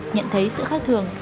nhận thấy sự khác thường